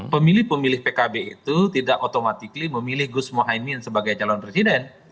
pemilih pemilih pkb itu tidak otomatis memilih gus mohaimin sebagai calon presiden